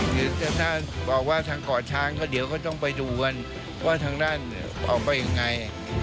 หรือถ้าบอกว่าทางเกาะช้างก็เดี๋ยวก็ต้องไปดูกันว่าทางด้านออกมายังไง